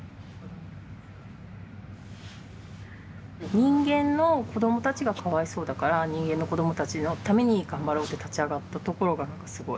人間の子どもたちが可哀想だから人間の子どもたちのために頑張ろうって立ち上がったところが何かすごい。